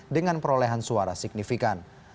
dengan perolehan suara signifikan